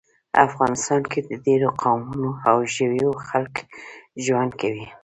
افغانستان کې د ډیرو قومونو او ژبو خلک ژوند کوي